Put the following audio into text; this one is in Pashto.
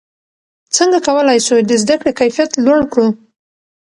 څنګه کولای سو د زده کړې کیفیت لوړ کړو؟